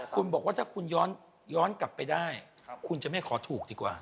คุณบอกว่าถ้าคุณย้อนกลับไปได้คุณจะไม่ขอถูกดีกว่า